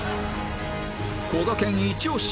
こがけんイチオシ！